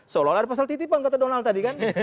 seolah olah ada pasal titipan kata donald tadi kan